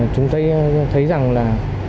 chúng ta thấy rằng là